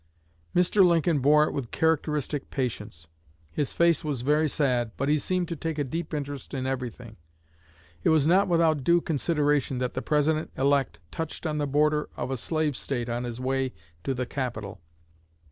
Mr. Lincoln bore it with characteristic patience. His face was very sad, but he seemed to take a deep interest in everything. It was not without due consideration that the President elect touched on the border of a slave State on his way to the capital.